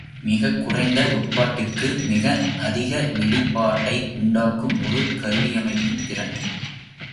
மிகக் குறைந்த உட்பாட்டிற்கு மிக அதிக வெளிப் பாட்டை உண்டாக்கும் ஒரு கருவியமைப்பின் திறன்.